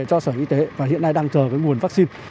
cho sở y tế và hiện nay đang chờ cái nguồn vaccine